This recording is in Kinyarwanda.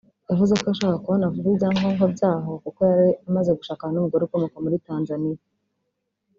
yavuze ko yashakaga kubona vuba ibyangombwa by’aho kuko yari amaze gushakana n’Umugore ukomoka muri Tanzania